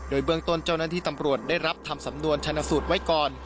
โดยเบื้องต้นเจ้าหน้าที่ตำรวจได้รับทำสำนวนชนะสูตรไว้ก่อน